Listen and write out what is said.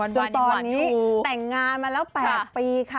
จนตอนนี้แต่งงานมาแล้ว๘ปีค่ะ